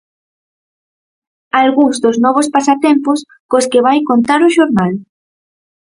Algúns dos novos pasatempos cos que vai contar o xornal.